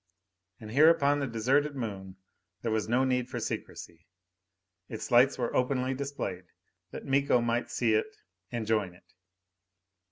And here upon the deserted Moon there was no need for secrecy. Its lights were openly displayed, that Miko might see it and join it.